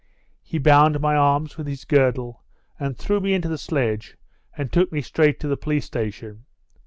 He bound my arms with his girdle, and threw me into the sledge, and took me straight to the police station.